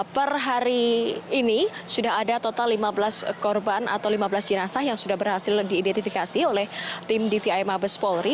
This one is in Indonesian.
per hari ini sudah ada total lima belas korban atau lima belas jenazah yang sudah berhasil diidentifikasi oleh tim dvi mabes polri